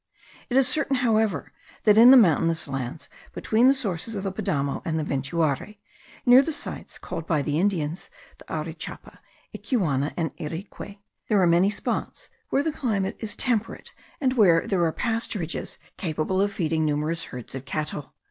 It is certain, however, that in the mountainous lands, between the sources of the Padamo and the Ventuari (near the sites called by the Indians Aurichapa, Ichuana, and Irique) there are many spots where the climate is temperate, and where there are pasturages capable of feeding numerous herds of cattle.